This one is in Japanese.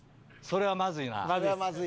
それはまずいです。